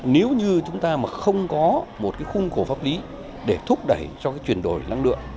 nếu như chúng ta mà không có một cái khung khổ pháp lý để thúc đẩy cho cái chuyển đổi năng lượng